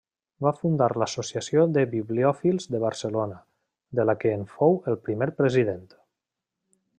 Va fundar l'Associació de Bibliòfils de Barcelona, de la que en fou el primer president.